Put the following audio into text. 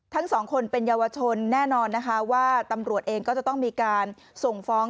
ทั้งสองคนเป็นเยาวชนแน่นอนนะคะว่าตำรวจเองก็จะต้องมีการส่งฟ้อง